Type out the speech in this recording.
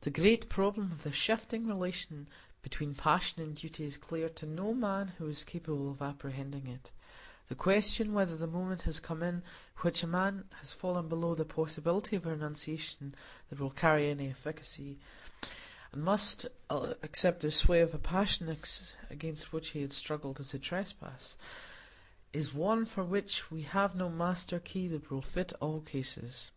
The great problem of the shifting relation between passion and duty is clear to no man who is capable of apprehending it; the question whether the moment has come in which a man has fallen below the possibility of a renunciation that will carry any efficacy, and must accept the sway of a passion against which he had struggled as a trespass, is one for which we have no master key that will fit all cases.